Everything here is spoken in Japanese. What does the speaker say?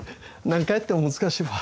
何回やっても難しいわ。